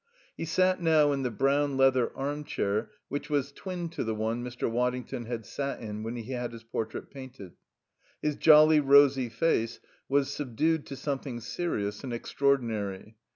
He sat now in the brown leather armchair which was twin to the one Mr. Waddington had sat in when he had his portrait painted. His jolly, rosy face was subdued to something serious and extraordinary.